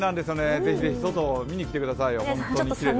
ぜひぜひ、外、見に来てくださいよ。